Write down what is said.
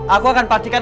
aku akan pastikan